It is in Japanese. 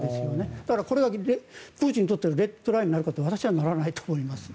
だからこれはプーチンにとってのレッドラインになるかといったら私はならないと思います。